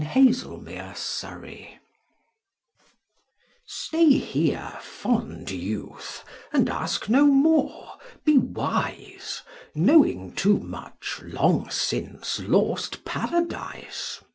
Against Fruition Stay here, fond Youth, and ask no more, be wise : Knowing too much long since lost Paradise.